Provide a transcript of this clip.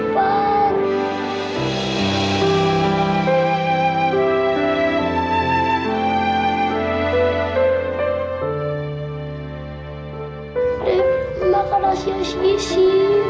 dave makan nasi asisi